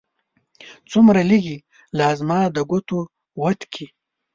څومره لږې! لا زما د ګوتو وت کې